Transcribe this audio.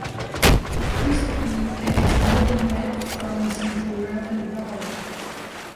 Acoustically, it is an open-mid front-central rounded vowel.